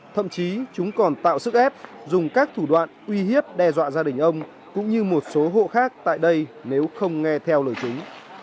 thậm chí chúng còn tạo sức ép dùng các thủ đoạn uy hiếp đe dọa gia đình ông cũng như một số hộ khác tại đây nếu không nghe theo lời chúng